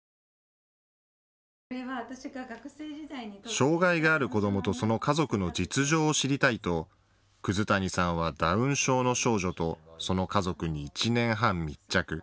障害がある子どもとその家族の実情を知りたいと、葛谷さんはダウン症の少女とその家族に１年半、密着。